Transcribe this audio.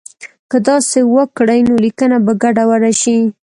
که داسې وکړي نو لیکنه به ګډوډه شي.